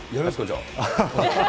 じゃあ。